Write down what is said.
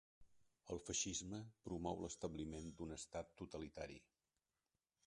El feixisme promou l'establiment d'un estat totalitari.